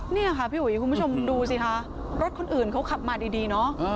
นี่ค่ะพี่อุ๋ยคุณผู้ชมดูสิคะรถคนอื่นเขาขับมาดีเนอะ